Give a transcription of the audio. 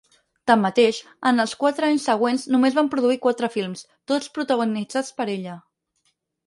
Tanmateix, en els quatre anys següents només van produir quatre films, tots protagonitzats per ella.